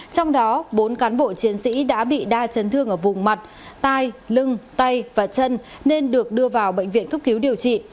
trong đó bốn cán bộ chiến sĩ đã bị đa chấn thương ở vùng mặt tai lưng tay và chân nên được đưa vào bệnh viện cấp cứu điều trị